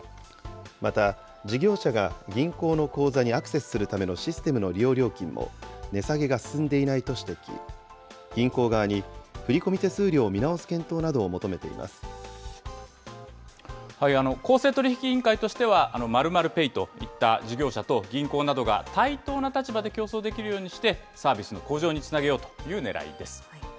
また事業者が銀行の口座にアクセスするためのシステムの利用料金も、値下げが進んでいないと指摘、銀行側に、振り込み手数料を見直公正取引委員会としては、○○ペイといった事業者と銀行などが対等な立場で競争できるようにして、サービスの向上につなげようというねらいです。